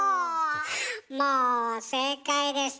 もう正解です。